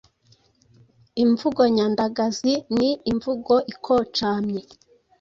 Imvugo nyandagazi ni imvugo ikocamye,